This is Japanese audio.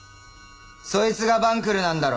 そいつが晩来なんだろ？